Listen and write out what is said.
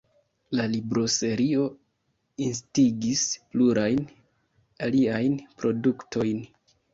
La libroserio instigis plurajn aliajn produktojn.